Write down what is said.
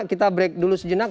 kita break dulu sejenak